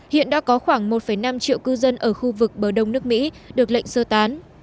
hiện đã có khoảng một năm triệu cư dân ở khu vực bờ đông nước mỹ được lệnh sơ tán